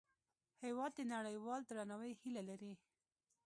هېواد د نړیوال درناوي هیله لري.